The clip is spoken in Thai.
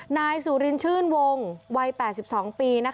นายสุรินชื่นวงวัย๘๒ปี